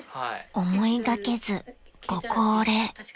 ［思いがけずご高齢］